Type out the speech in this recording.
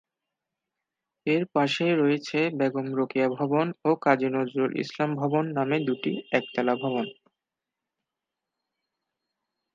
এর পাশেই রয়েছে "বেগম রোকেয়া ভবন" ও "কাজী নজরুল ইসলাম ভবন" নামে দুইটি একতলা ভবন।